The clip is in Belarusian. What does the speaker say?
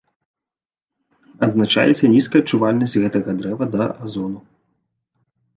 Адзначаецца нізкая адчувальнасць гэтага дрэва да азону.